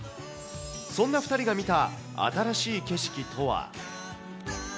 そんな２人が見た新しい景色とは。